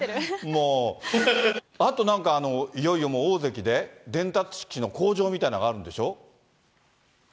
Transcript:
あとなんか、いよいよもう大関で、伝達式の口上みたいなのがあるんでしょう？